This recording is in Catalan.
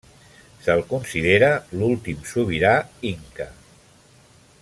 Se'l considera l'últim sobirà inca.